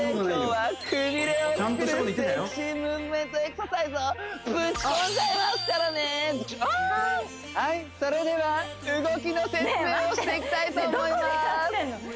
はいそれでは動きの説明をしていきたいと思いまーす